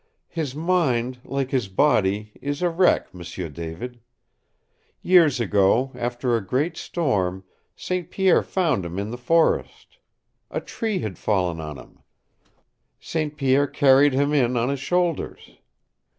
His mind, like his body, is a wreck, M'sieu David. Years ago, after a great storm, St. Pierre found him in the forest. A tree had fallen on him. St. Pierre carried him in on his shoulders.